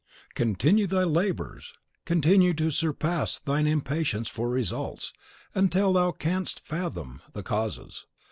Continue thy labours continue to surpass thine impatience for results until thou canst fathom the causes.